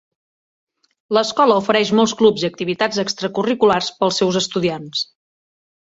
L'escola ofereix molts clubs i activitats extracurriculars pels seus estudiants.